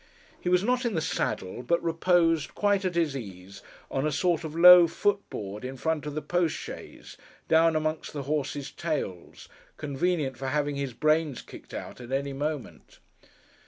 He was not in the saddle, but reposed, quite at his ease, on a sort of low foot board in front of the postchaise, down amongst the horses' tails—convenient for having his brains kicked out, at any moment.